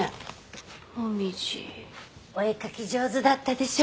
お絵描き上手だったでしょ。